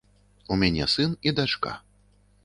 У мяне сын і дачка.